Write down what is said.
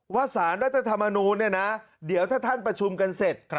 สารรัฐธรรมนูลเนี่ยนะเดี๋ยวถ้าท่านประชุมกันเสร็จ